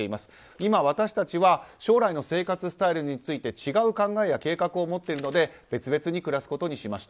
今、私たちは将来の生活スタイルについて違う考えや計画を持っているので別々に暮らすことにしました。